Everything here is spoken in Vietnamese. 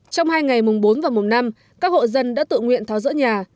trong hai ngày mùng bốn và mùng năm các hộ dân đã tự nguyện tháo rỡ nhà